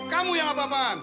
kamu yang apa apaan